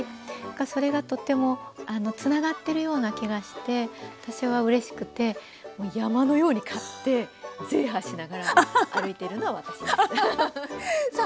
それがとってもつながってるような気がして私はうれしくてもう山のように買ってゼーハーしながら歩いてるのは私です。